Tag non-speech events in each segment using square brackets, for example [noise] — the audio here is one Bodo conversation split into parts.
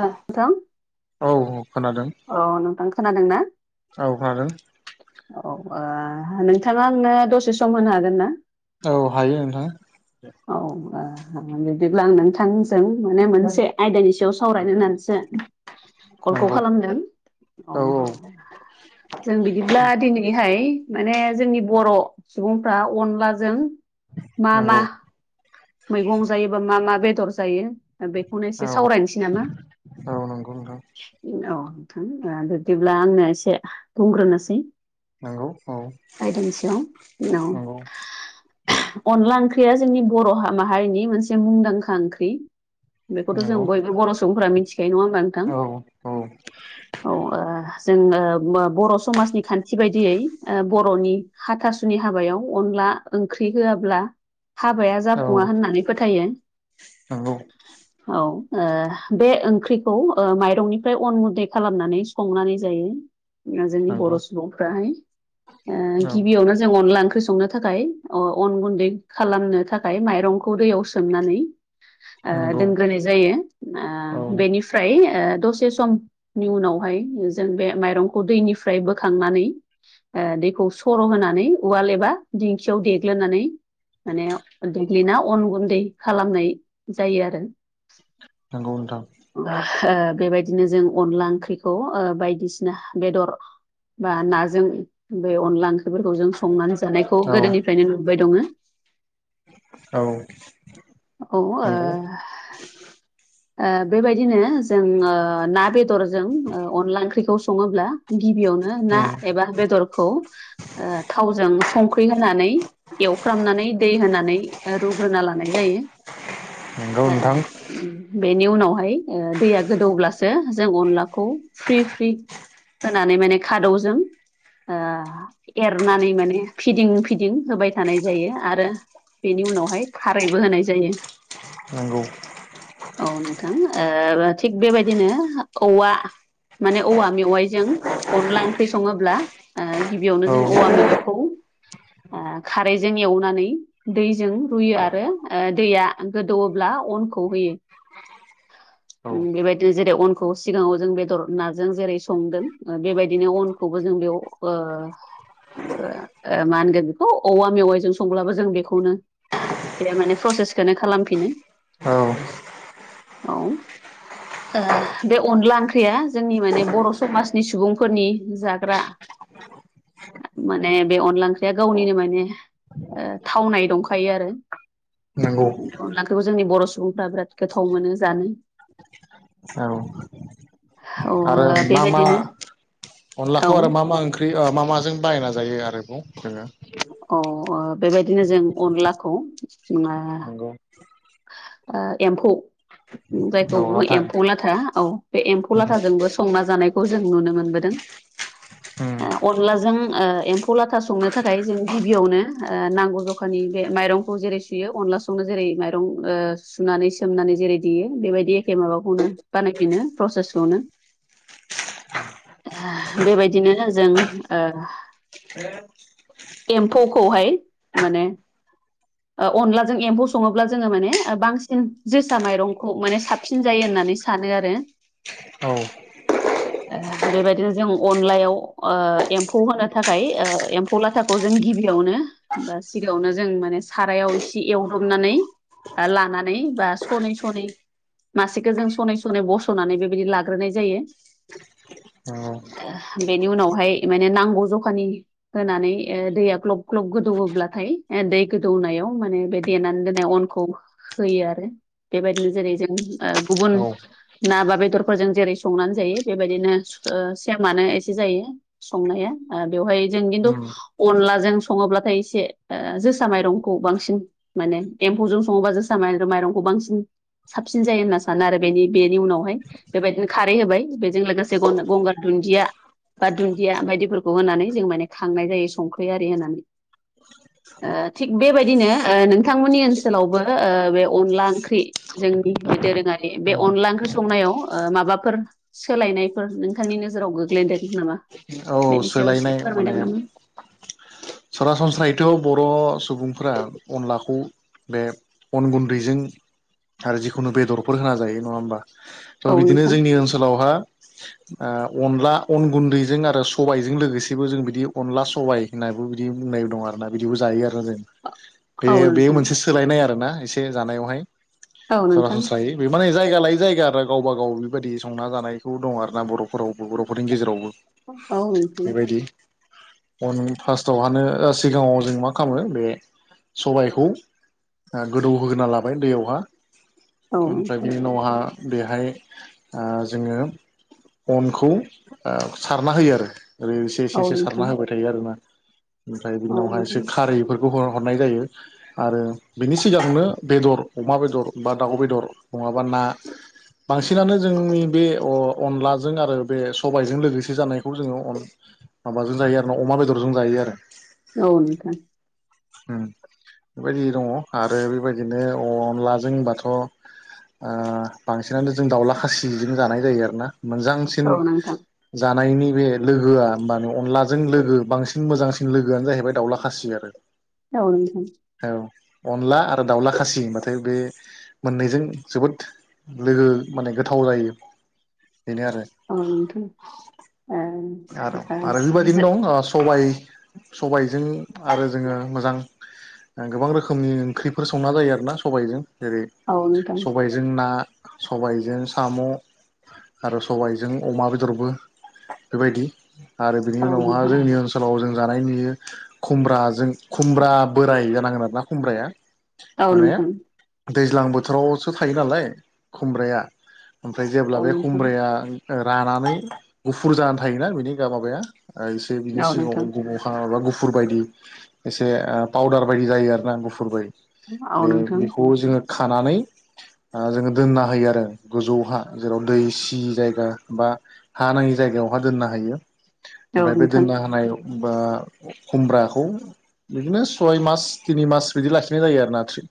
नोंथां औ औ खोनादों। अ नोंथां खोनादों ना? औ खोनादों औ ओ नोंथाङा आंनो दसे सम होनो हागोन ना? औ हायो नोंथां। औ [unintelligible] बिदिब्ला आं नोंथांजों माने मोनसे आयदानि सायाव सावरायनो होननानैसो सो कलखौ नंगौ खालामदों औ [unintelligible] जों बिदिब्ला दिनैहाय माने जोंनि बर' सुबुंफ्रा अनलाजों मा मा नंगौ मैगं जायोबा मा मा बेदर जायो बेखौनो औ एसे सावरायनोसै नामा औ नंगौ नोंथां [unintelligible] [unintelligible] बिदिब्ला आंनो एसे बुंग्रोनोसै नंगौ औ आयदानि सायाव औ नंगौ अनला ओंख्रिया जोंनि बर' माहारिनि मोनसे मुंदांखा ओंख्रि बेखौथ' जों नंगौ बयबो बर' सुबुंफोरा मिथिखायो नङा होमबा नोंथां? औ औ ओ जोङो बो बर' समाजनि खान्थि बायदियै ओ बर'नि हाथासुनि हाबायाव अनला ओंख्रि होआब्ला हाबाया औ जाफुङा होननानै फोथायो। नंगौ औ ओ बे ओंख्रिखौ ओ माइरंनिफ्राय अन गुन दै खालामनानै संनानै जायो। ओ जोंनि बर' नंगौ सुबुंफ्राहाय ओ औ गिबियावनो जों अनला ओंख्रि संनो था थाखाय अ अन गुन्दै खालामनो थाखाय माइरंखौ दैयाव सोमनानै ओ नंगौ दोनग्रोनाय जायो औ ओ बेनिफ्राय ओ दसे सम नि उनावहाय जों बे माइरंखौ दैनिफ्राय बोखांनानै ओ दैखौ सर' होनानै उवाल एबा दिंखियाव देग्लोननानै माने देग्लिना अन गुन्दै खालामनाय जायो आरो। नंगौ नोंथां ओ बेबायदिनो जों अनला ओंख्रिखौ ओ बायदिसिना बेदर बा नाजों बे अनला ओंख्रिफोरखौ जों संनानै जानायखौ औ गोदोनिफ्रायनो नुबाय दङो। औ औ ओ नंगौ ओ बेबायदिनो जों ओ ना बेदरजों ओ अनला ओंख्रिखौ सङोब्ला गिबियावनो ना एबा बेदरखौ ओ थावजों संख्रि होनानै एवफ्रामनानै दै होनानै ओ रुग्रोना लानाय जायो। नंगौ ओ नोंथां बेनि उनावहाय ओ दैया गोदौब्लासो जों अनलाखौ फ्रि फ्रि होनानै माने खादौजों ओ एरनानै माने फिदिं फिदिं होबाय थानाय जायो आरो बेनि उनावहाय खारैबो होनाय जायो। नंगौ औ नोंथां ओ थिग बेबायदिनो औवा माने औवा मेवाइजों अनला ओंख्रि सङोब्ला ओ गिबियावनो औ जों औवा मेवाइखौ ओ खारैजों एवनानै दैजों रुयो आरो ओ दैया गोदौब्ला अनखौ होयो। औ ओम बेबायदि जेरै अन खौ सिगाङाव जों बेदर नाजों जेरै संदों ओ बेबायदिनो अनखौबो जों बेयाव ओ ओ ओ मा होनगोन बेखौ औवा मेवाइजों संब्लाबो जों बेखौनो बेयो माने प्रसेसखौनो खालामफिनो औ औ ओ बे अनला ओंख्रिया जोंनि माने बर' समाजनि सुबुंफोरनि जाग्रा माने बे अनला ओंख्रिया गावनिनो माने थावनाय दंखायो आरो। नंगौ बे अनलाखौ जोंनि बर' सुबुंफ्रा बिराद गोथाव मोनो जानो। औ औ आरो ओ मा मा बेबायदिनो अनलाखौ औ आरो मा मा ओंख्रि ओ मा माजों बायना जायो आरोबाव जोङो? अ ओ बेबायदिनो जों अनलाखौ ओ नंगौ ओ एम्फौ जायखौ औ बो नाथाय एम्फौ लाथा औ बे एम्फौ लाथाजों बो संना जानायखौ जों नुनो मोनबोदों। ओम ओ अनलाजों ओ एम्फौ लाथा संनो थाखाय जों गिबियावनो ओ नांगौ जखानि बे माइरं खौ जेरै सुयो अनला संनो जेरै माइरं ओ सुनानै सोमनानै जेरै देयो बेबायदि एखे माबाखौनो बानायफिनो प्रसेसखौनो। बेबायदिनो जों ओ एम्फौखौहाय माने ओ अनलाजों एम्फौ सङोब्ला जोङो माने ओ बांसिन जोसा माइरंखौ माने साबसिन जायो होननानै सानोमोन सानो आरो। ओ बेबायदिनो जों अनलायाव ओ एम्फौ होनो थाखाय ओ एम्फ फौ लाथाखौ जों गिबियावनो बा सिगाङावनो जों माने सारायाव एसे एवदबनानै लानानै बा सनै सनै मासेखौ जों सनै सनै बस'नानै बेबायदि लाग्रोनाय जायो। अ। ओ बेनि उनावहाय माने नांगौ जखानि होनानै ओ दैया ग्लब ग्लब गोदौयोब्लाथाय दै गोदौनायाव माने बे देनानै दोननाय अनखौ होयो आरो बेबायदिनो जेरै जों ओ गुबुन ना बा बेदरफोरजों जेरै संनानै जायो बेबायदिनो ओ सेमानो एसे जायो‌। संनाया बेवहाय ओ जों खिन्थु अनलाजों सङोब्लाथाय एसे ओ जोसा माइरंखौ बांसिन माने एम्फौजों सङोबा जोसा माइब्रा माइरंखौ बांसिन साबसिन जायो होनना सानो आरो। बेनि बेनि उनावहाय बेबायदिनो खारै होबाय बेजों लोगोसे गंगा गंगार दुन्दिया बा दुन्दिया बायदिफोरखौ होनानै जों माने खांनाय जायो संख्रि आरि होनानै। ओ थिग बेबायदिनो ओ नोंथांमोननि ओनसोलावबो बे अनला ओंख्रि जोंनि बे दोरोङारि बे अनला ओंख्रि संनायाव ओ माबाफोर सोलायनायफोर नोंथांनि नोजोराव गोग्लैदों नामा बेनि सायाव एसे सोलायनाय फोरमायदो माने नामा। [inaudible] सरासनस्रायैथ' बर' सुबुंफोरा अनलाखौ बे अन गुन्दैजों आरो जिखुनु बेदरफोर होना जायो नङा होमबा? थ' औ बिदिनो नोंथां जोंनि ओनसोलावहा ओ अनला अन गुन्दैजों आरो स सबायजों लोगोसेबो जों बिदि अनला सबाय होनाबो बिदि बुंनाय दं आरोना बिदिबो जायो आरोना जों। बे औ बे नोंथां मोनसे सोलायनाय आरोना एसे जानायावहाय औ नोंथां सरासनस्रायै। बे माने जायगा लायै जायगा आरो गावबा गाव बेबायदि संना जानायखौ दं आरोना बर'फोरावबो बर'फोरनि गेजेरावबो। औ नोंथां बेबायदि अन फार्स्टआवहानो सिगाङाव जों मा खालामो बे सबायखौ ओ गोदौहोग्रोना लाबाय दैयावहा ओमफ्राय बेनि औ उनावहा बेहाय ओ जोङो अनखौ ओ सा सारना होयो आरो ओै एसे एसे एसे नोंथां सारना होबाय थायो आरोना ओमफ्राय बि औ उनावहाय नोंथां एसे खारैफोर गहर हरनाय जायो। आरो बिनि सिगाङावनो बेदर अमा बेदर बा दाउ बेदर नङाबा ना। बांसिनानो जोंनि बे अ-अनलाजों आरो बे सबायजों लोगोसे सि जानायखौ जोङो अन माबाजों जायो आरो ना अमा बेदरजों जायो आरो। औ नोंथां। उम बेबायदि दङ आरो बेबायदिनो अनलाजोंबाथ' ओ बांसिनानो जों दाउला खासिजों जानाय जायो आरोना औ नोंथां मोजांसिन औ नोंथां जानायनि बे लोगोआ होमबानो अनलाजों लोगो बांसिन मोजांसिन लोगोआनो जाहैबाय दाउला खासि आरो। औ नोंथां। औ अनला आरो दाउला खासि होमबाथाय बे मोननैजों जोबोद लोगो माने गोथाव जायो बेनो आरो। औ नोंथां ओं। आरो आरो बेबायदिनो दं अ सबाय सबायजों आरो जोङो मोजां ओ गोबां रोखोमनि ओंख्रिफोर संना जायो आरोना सबायजों जेरै ओ जो सबाय जों ना सबायजों साम' आरो सबायजों अमा बेदरबो बेबायदि आरो बिनि औ नोंथां औ उनावहा नोंथां जोंनि ओनसोलाव जों जानाय नुयो खुमब्राजों खुमब्रा बोराय जानांगोन आरोना खुमब्राया औ माने नोंथां दैज्लां बोथोरावसो थायो नालाय खुमब्राया ओमफ्राय जेब्ला औ बे नोंथां खुमब्राया रानानै गुफुर जानानै थायोना बिनि गा माबाया एसे बिनि औ नोंथां सिगाङाव [unintelligible] माबा गुफुर बायदि एसे ओ पाउदार बायदि जायो आरो ना गुफुर बायदि औ बे नोंथां बिखौ जोङो खानानै ओ जोङो दोनना होयो आरो गोजौहा जेराव दै सि जायगा बा हा नाङि जायगायावहा दोनना होयो औ फ्राय बे नोंथां दोनना होनायाव बा खुमब्राखौ बिदिनो सय मास तिनि मास बिदि लाखिनाय जायो आरो नाथ्रि।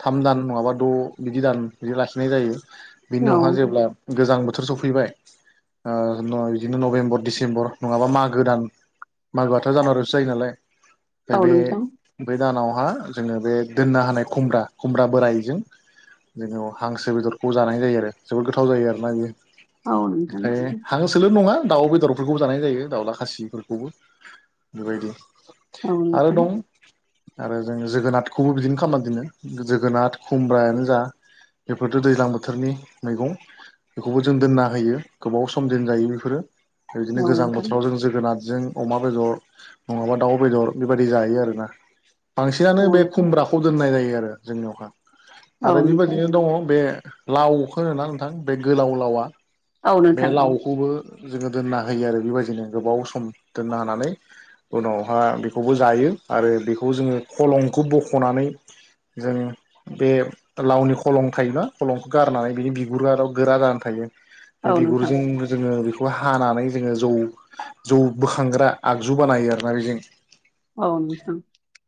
थाम दान नङाबा द' बिदि दान बिदि लाखिनाय जायो। बिनि औ उनावहा जेब्ला गोजां बोथोर सफैबाय ओ नय दिनो नभेम्बर डिसेम्बर नङाबा मागो दान मागोआथ' जानुवारियावसो जायो नालाय फाय औ बे नोंथां बे दानावहा जोङो बे दोननो होनाय खुमब्रा खुमब्रा बोरायजों जोंनिआव हांसो बेदरखौ जानाय जायो आरो जोबोद गोथाव जायो आरोना बियो। औ नोंथां फाय हांसोल' नङा दाउ बेदरफोरखौबो जानाय जायो दाउला खासिफोरखौबो बेबायदि। औ आरो नोंथां दं आरो जों जोगोनाथखौबो बिदिनो खालामना दोनो जोगोनाथ खुमब्रायानो जा बेफोरथ' दैज्लां बोथोरनि मैगं। बेखौबो जों दोनना होयो गोबाव सम दोनजायो बेफोर इदिनो औ गोजां नोंथां बोथोराव जों जोगोनाथजों अमा बेदर नङाबा दाउ बेदर बेबादि जायो आरोना बांसिनानो औ बे खुमब्रा खौ दोननाय जायो आरो जोंनियावहा आरो नोंथां बेबादिनो दङ बे लावखो होनो ना नोंथां बे गोलाव लावा औ बे नोंथां लावखौबो जोङो दोनना होयो आरो बिबायदिनो गोबाव सम दोनना होनानै उनावहा बेखौबो जायो आरो बेखौ जोङो खलंखौ बख'नानै जों बे लावनि खलं थायोना खलंखो गारनानै बिनि बिगुराराव गोरा जानानै थायो। बे औ नोंथां बिगुरजों जोङो बे [unintelligible] हानानै जोङो जौ जौ बोखांग्रा आगजु बानायो आरोना बेजों। औ नोंथां।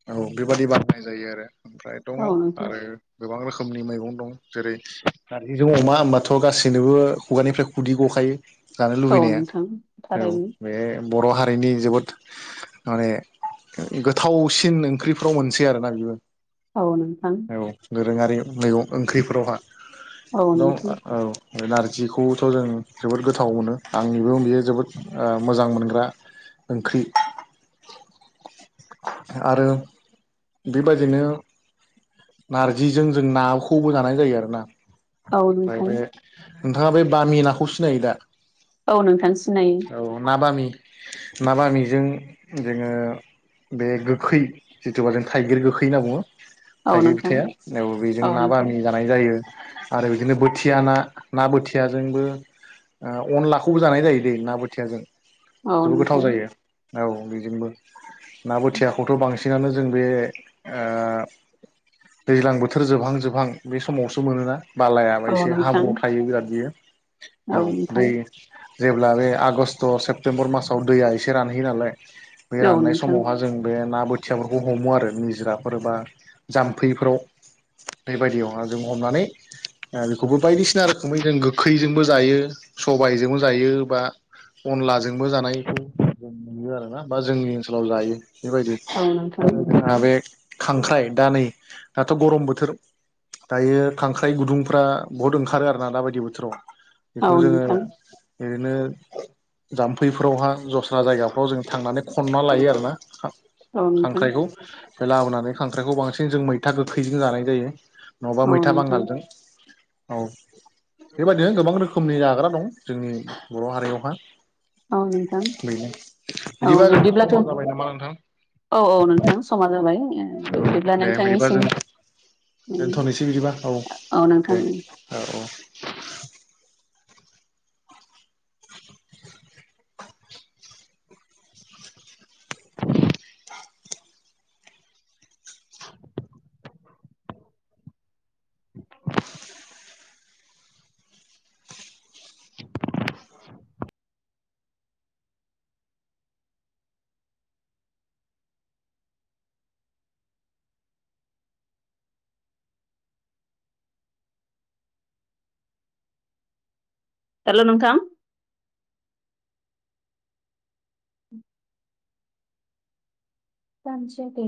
औ बेबादि बानायनाय जायो आरो ओमफ्राय दङ औ नोंथां औ नोंथां औ नोंथां आरो गोबां रोखोमनि मैगं दं। जेरै नार्जिजों अमा होमबाथ' गासैनोबो खुगानिफ्राय खुदै गखायो। जानो औ लुबैनाया नोंथां औ थारैनो बे बर' हारिनि जोबोद माने गोथावसिन ओंख्रिफ्राव मोनसे आरोना बिबो। औ नोंथां। औ दोरोङारि मैगं ओंख्रिफोरावहा औ दं नोंथां ओ औ। नार्जिखौथ' जों जोबोद गोथ थावनो आंनिबो बियो जोबोद ओ मोजां मोनग्रा ओंख्रि। आरो बिबादिनो नार्जिजों जों नाखौबो जानाय जायो आरोना। औ फाय नोंथां बे नोंथाङा बे बामि नाखौ सिनायो दा? औ नोंथां सिनायो। औ ना बामि ना बामिजों जोङो बे गोखै जिथुबा जों थाइगिर गोखै होनना बुङो। औ थाइगिर नोंथां फिथाइया औ बेजों ना बामि जानाय जायो आरो बिदिनो बोथिया ना ना बोथिया जोंबो ओ अनलाखौबो जानाय जायो दै ना बोथियाजों औ जोबोद गोथाव नोंथां जायो। औ बिजोंबो ना बोथियाखौथ' बांसिनानो जों बे ओ दैज्लां बोथोर जोबहां जोबहां बे समावसो मोनोना। बालायाबा औ एसे नोंथां हाब्रुआव थायो बिराद बियो औ। दै जेब्ला बे आगष्ट सेप्तेम्बर मासाव दैया एसे रानहैयो नालाय बे औ राननाय नोंथां समावहा जों बे ना बोथ बोथियाफोरखौ हमो आरो निजिराफोर बा जाम्फैफोराव। बेबायदियावहा जों हमनानै आ बेखौबो बायदिसिना रोखोमै जों गोखैजोंबो जायो सबायजोंबो जायो बा अनलाजोंबो जानायखौ जों नुयो आरोना बा जोंनि ओनसोलाव जायो। बेबायदि औ नोंथां जोंहा बे खांख्राइ दा नै दाथ' गरम बोथोर दायो खांख्राइ गुदुंफ्रा बहुद ओंखारो आर ना दाबायदि बोथोराव। औ खौ जोङो नोंथां ओरैनो जाम्फैफोरावहा दस्रा जायगाफ्राव जों थांनानै खनना लायो आरोना। औ नोंथां खांख्राइखौ लाबोनानै खांख्राइखौ बांसिन जों मैथा गोखैजों जानाय जायो। नङाबा औ मैथा नोंथां बांगालजों औ बेबायदिनो गोबां रो खोमनि जाग्रा दं जोंनि बर' हारियावहा। औ नोंथां [unintelligible] औ बिदिबा जाहा बिब्दिब्लाथ' समा जाबाय नामा नोंथां? औ औ नोंथां समा जाबाय। ओ बिदिब्ला दे बिदिबा जों नोंथांनिसिम ओय दोनथ'नोसै बिदिबा औ औ दे नोंथां। औ औ। [inaudible] हेल' नोंथां। [inaudible] [unintelligible]